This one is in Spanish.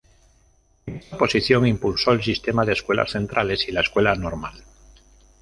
En esta posición impulsó el sistema de Escuelas Centrales y la Escuela Normal.